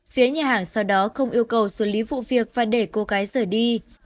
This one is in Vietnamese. phía nhà hàng sau đó không yêu cầu xử lý vụ việc và để cô gái rời đi